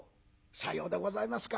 「さようでございますか。